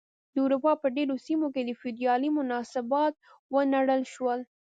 د اروپا په ډېرو سیمو کې فیوډالي مناسبات ونړول شول.